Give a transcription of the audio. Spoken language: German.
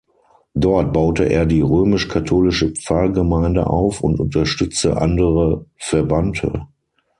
Dort baute er die römisch-katholische Pfarrgemeinde auf und unterstützte andere Verbannte.